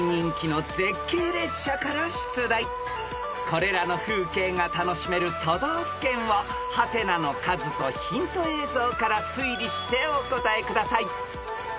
［これらの風景が楽しめる都道府県を「？」の数とヒント映像から推理してお答えください］